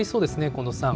近藤さん。